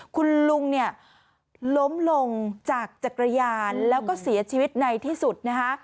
คุณลุงเนี่ยล้มลงจากจักรยานแล้วก็เสียชีวิตในที่สุดนะคะ